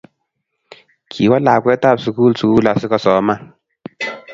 Kiwoo lakwetab sugul sugul asigosoman